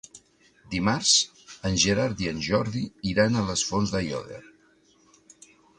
Dimarts en Gerard i en Jordi iran a les Fonts d'Aiòder.